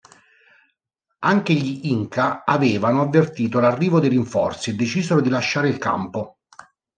Anche gli inca avevano avvertito l'arrivo dei rinforzi e decisero di lasciare il campo.